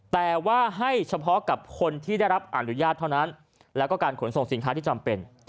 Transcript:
แต่ว่าให้เฉพาะกับคนที่ได้รับอนุญาตเท่านั้นแล้วก็การขนส่งสินค้าที่จำเป็น